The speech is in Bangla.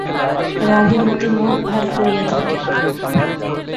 রাগে মতি মুখ ভার করিয়া থাকে।